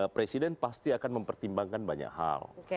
presiden pasti akan mempertimbangkan banyak hal